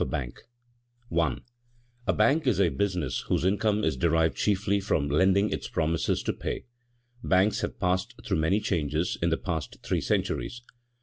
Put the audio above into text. A bank is a business whose income is derived chiefly from lending its promises to pay. Banks have passed through many changes in the past three centuries.